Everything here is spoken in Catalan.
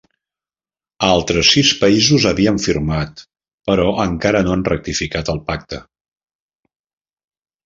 Altres sis països havien firmat, però encara no han ratificat el Pacte.